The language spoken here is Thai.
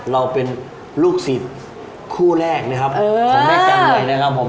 เราเป็นลูกศิษย์คู่แรกนะครับของแม่จังเลยนะครับผม